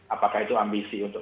apakah itu ambisi untuk